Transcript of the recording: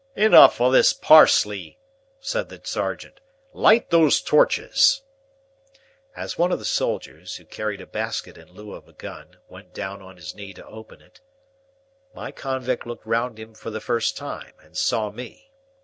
"Enough of this parley," said the sergeant. "Light those torches." As one of the soldiers, who carried a basket in lieu of a gun, went down on his knee to open it, my convict looked round him for the first time, and saw me.